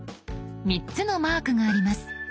３つのマークがあります。